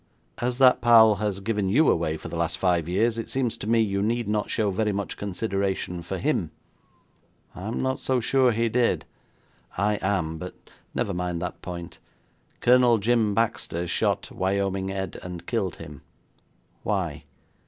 'As that pal has given you away for the last five years, it seems to me you need not show very much consideration for him.' 'I'm not so sure he did.' 'I am; but never mind that point. Colonel Jim Baxter shot Wyoming Ed and killed him. Why?'